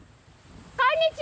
こんにちは！